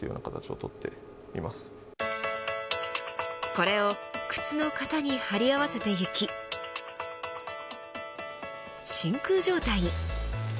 これを靴の型に張り合わせていき真空状態に。